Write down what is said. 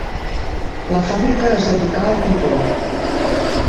La fàbrica es dedicà al cotó.